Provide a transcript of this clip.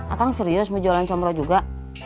akang serius mau jualan comroh juga